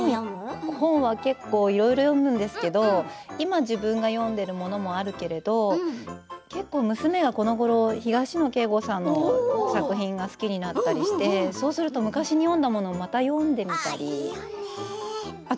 本は結構いろいろ読むんですけれども、今自分が読んでいるものもあるけれど結構、娘がこのごろ東野圭吾さんの作品が好きになったりしてそうすると昔に読んだものをまた読んでみたりして。